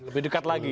lebih dekat lagi